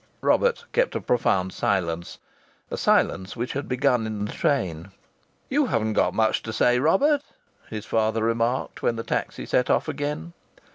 Robert kept a profound silence a silence which had begun in the train. "You haven't got much to say, Robert," his father remarked, when the taxi set off again.